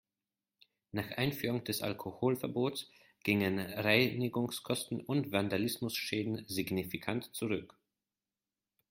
Nach der Einführung des Alkoholverbots gingen Reinigungskosten und Vandalismusschäden signifikant zurück.